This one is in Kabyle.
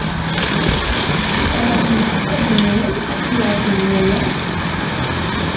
Ɣef leḥsab-nwen, ad as-yeɛjeb waya?